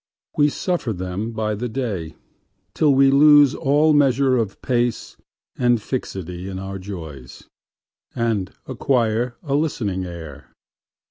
We suffer them by the dayTill we lose all measure of pace, And fixity in our joys, And acquire a listening air.